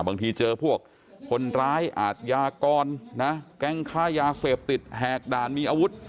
บางทีเจอพวกคนร้ายอาทยากรนะแก๊งค้ายาเสพติดแหกด่านมีอาวุธ